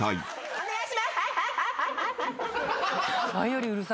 お願いしま。